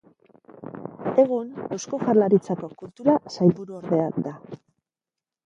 Egun, Eusko Jaurlaritzako Kultura Sailburuordea da.